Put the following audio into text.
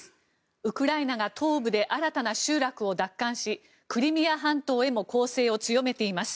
ウクライナが東部で新たな集落を奪還しクリミア半島へも攻勢を強めています。